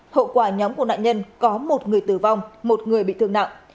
hậu quả nhóm của nạn nhân có một người tử vong một người bị thương nặng